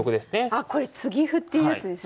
あこれ継ぎ歩っていうやつですね。